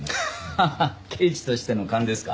ハハッ刑事としての勘ですか。